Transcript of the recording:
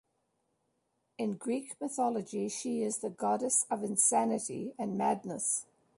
In Greek Mythology, she is the Goddess of insanity and madness.